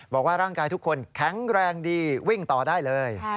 บอกว่าร่างกายทุกคนแข็งแรงดีวิ่งต่อได้เลย